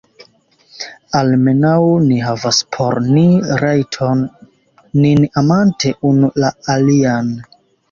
Almenaŭ ni havas por ni rajton, nin amante unu la alian.